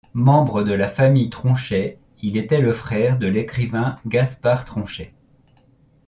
Membre de la famille Tronchay, il était le frère de l'écrivain Gaspard Tronchay.